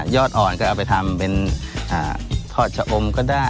อดอ่อนก็เอาไปทำเป็นทอดชะอมก็ได้